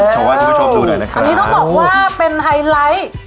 ชาวบ้านทุกผู้ชมดูหน่อยนะครับอันนี้ต้องบอกว่าเป็นไฮไลท์